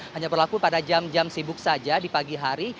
hanya berlaku pada jam jam sibuk saja di pagi hari